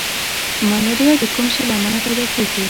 ملاریا د کوم شي له امله پیدا کیږي